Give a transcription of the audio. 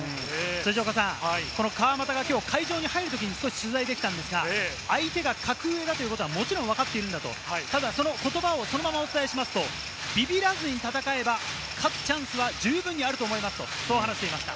辻岡さん、この川真田がきょう会場に入るときに取材できたんですが、相手が格上だということはわかっていると、ただその言葉をそのままお伝えしますと、ビビらずに戦えば勝つチャンスは十分にあると思いますと話していました。